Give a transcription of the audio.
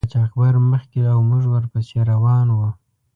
قاچاقبر مخکې او موږ ور پسې روان وو.